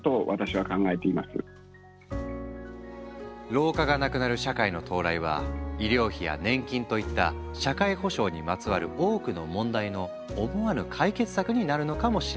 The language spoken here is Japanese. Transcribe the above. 老化がなくなる社会の到来は医療費や年金といった社会保障にまつわる多くの問題の思わぬ解決策になるのかもしれない。